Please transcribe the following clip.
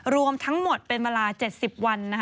รวมทั้งหมดเป็นเวลา๗๐วัน